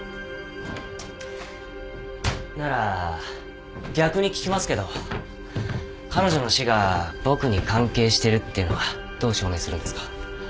なら逆に聞きますけど彼女の死が僕に関係してるっていうのはどう証明するんですか？